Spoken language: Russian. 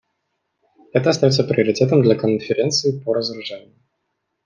Это остается приоритетом для Конференции по разоружению.